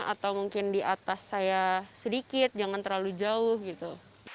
atau mungkin di atas saya sedikit jangan terlalu jauh gitu